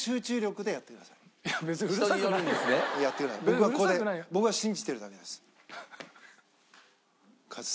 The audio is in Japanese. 僕はここで僕は信じてるだけです。